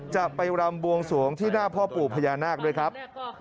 จะไปรำบวงสวงที่หน้าพ่อปู่พญานาคด้วยครับ